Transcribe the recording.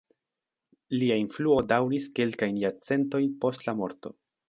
Lia influo daŭris kelkajn jarcentojn post la morto.